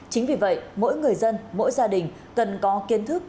chính vì vậy mỗi người dân mỗi gia đình cần có kiến thức